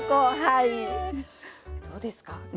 どうですか？